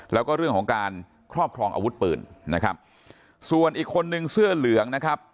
แล้วก็เรื่องของการครอบครองอาวุธปืนนะครับส่วนอีกคนนึงเสื้อเหลืองนะครับ